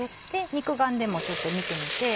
肉眼でもちょっと見てみて。